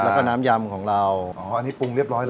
แล้วก็น้ำยำของเราอ๋ออันนี้ปรุงเรียบร้อย